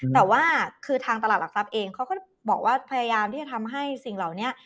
แต่ว่าคือทางตลาดหลักทรัพย์เองเขาก็บอกว่าพยายามที่จะทำให้สิ่งเหล่านี้